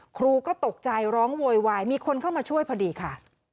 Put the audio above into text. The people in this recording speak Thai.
ครูก็ตกใจร้องโวยวายมีคนเข้ามาช่วยพอดีค่ะ